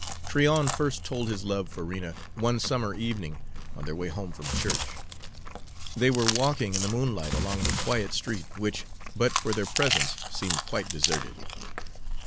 Tryon first told his love for Rena one summer evening on their way home from church. They were walking in the moonlight along the quiet street, which, but for their presence, seemed quite deserted.